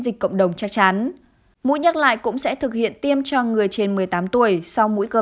dịch cộng đồng che chắn mũi nhắc lại cũng sẽ thực hiện tiêm cho người trên một mươi tám tuổi sau mũi cơ